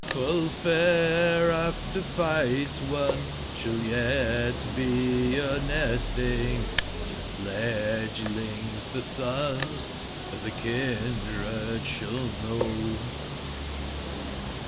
full fair after figbt won sball yet be your nesting; Hnd your fledglings tbc sons of tbc kindred sball know.